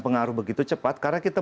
pengaruh begitu cepat karena kita